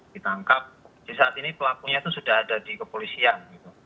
ditangkap di saat ini pelakunya itu sudah ada di kepolisian